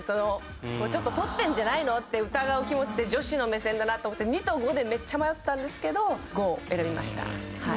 ちょっと撮ってるんじゃないの？って疑う気持ちって女子の目線だなと思って２と５でめっちゃ迷ったんですけど５を選びました。